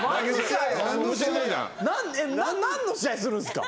何の試合するんすか？